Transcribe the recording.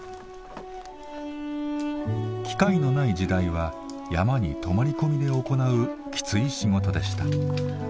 機械のない時代は山に泊まり込みで行うきつい仕事でした。